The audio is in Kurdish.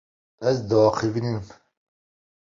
Ez diavînim.